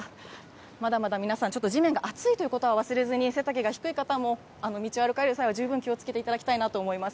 まだまだ皆さん、ちょっと地面が熱いということは忘れずに、背丈が低い方も道を歩かれる際は十分気をつけていただきたいなと思います。